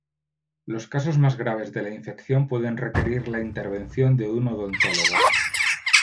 Los casos más graves de la infección pueden requerir la intervención de un odontólogo.